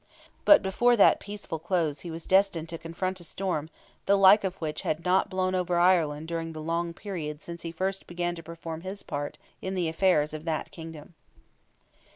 But before that peaceful close he was destined to confront a storm the like of which had not blown over Ireland during the long period since he first began to perform his part in the affairs of that kingdom.